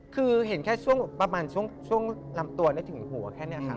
คือเห็นแค่ช่วงประมาณช่วงลำตัวถึงหัวแค่นี้ค่ะ